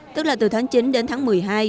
tức là từ tháng chín đến tháng một mươi hai